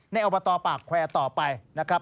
ในเอาประตอบปากแควร์ต่อไปนะครับ